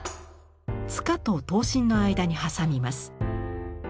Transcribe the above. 柄と刀身の間に挟みます。